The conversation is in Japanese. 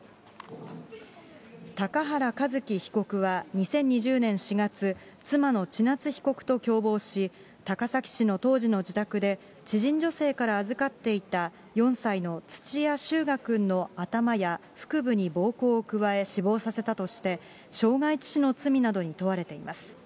高原一貴被告は２０２０年４月、妻の千夏被告と共謀し、高崎市の当時の自宅で、知人女性から預かっていた４歳の土屋翔雅くんの頭や腹部に暴行を加え、死亡させたとして、傷害致死などの罪に問われています。